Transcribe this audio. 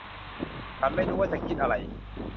ฉันไม่รู้ว่าจะคิดอะไร